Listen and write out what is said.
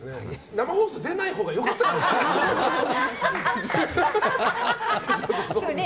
生放送、出ないほうが良かったかもしれないですね。